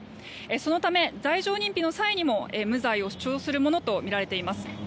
そのため、罪状認否の際にも無罪を主張するものとみられています。